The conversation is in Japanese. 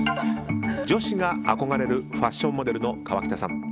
女子が憧れるファッションモデルの河北さん。